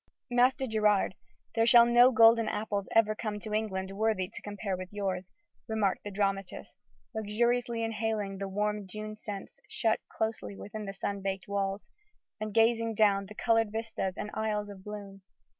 "Master Gerard, there shall no golden apples ever come to England worthy to compare with yours," remarked the dramatist, luxuriously inhaling the warm June scents shut closely within sun baked walls, and gazing down the coloured vistas and aisles of bloom.